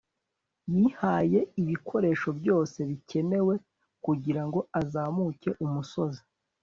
yihaye ibikoresho byose bikenewe kugirango azamuke umusozi